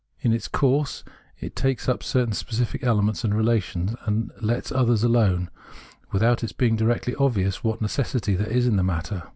In its Jourse, it takes up certain specific elements and relations md lets others alone, without its being directly obvious f?hat necessity there is in the matter.